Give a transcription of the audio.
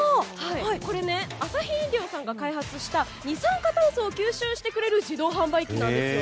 これ、アサヒ飲料さんが開発した二酸化炭素を吸収してくれる自動販売機なんですよ。